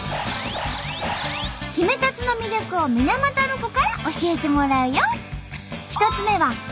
ヒメタツの魅力を水俣ロコから教えてもらうよ。